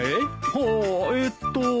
はあえっと。